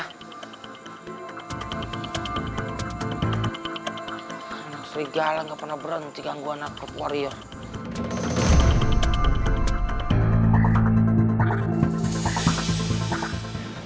serigala gak pernah berhenti gangguan aku warrior